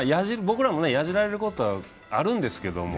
僕らもやじられることあるんですけど。